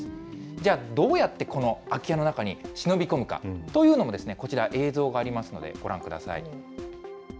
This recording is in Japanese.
じゃあ、どうやって、この空き家の中に忍び込むかというのもこちら、映像がありますので、ご覧ください。